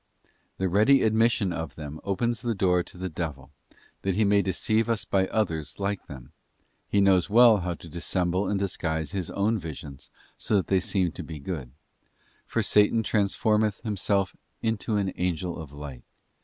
The ready admission of them opens the door to the devil, that he may deceive us by others like them; he knows well how to dissemble and disguise his own visions so that they shall seem to be good; for Satan transformeth himself 'into an angel of light.